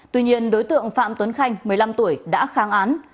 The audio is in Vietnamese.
tuy nhiên đối tượng phạm tuấn khanh một mươi năm tuổi đã kháng án